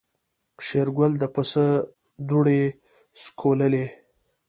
شېرګل د پسه دوړې سکوللې.